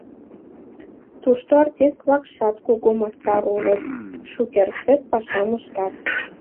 Тушто артист-влакшат кугу мастар улыт, шукертсек пашам ыштат.